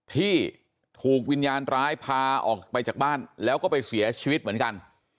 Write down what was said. ที่ถูกวิญญาณร้ายพาออกไปจากบ้านแล้วก็ไปเสียชีวิตเหมือนกัน